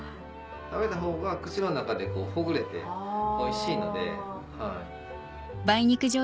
食べた方が口の中でほぐれておいしいので。